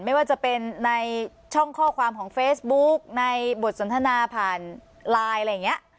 ไม่ว่าจะเป็นในช่องข้อความของเฟซบุ๊กในบทสนทนาผ่านไลน์อะไรอย่างนี้